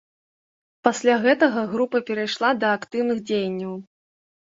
Пасля гэтага група перайшла да актыўных дзеянняў.